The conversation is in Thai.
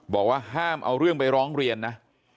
บอกว่าห้ามเอาเรื่องไปร้องเรียนนะ